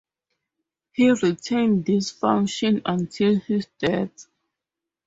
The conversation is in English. He retained this function until his death.